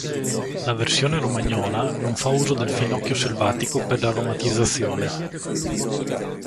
La versione romagnola non fa uso del finocchio selvatico per l'aromatizzazione.